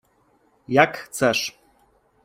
— Jak chcesz.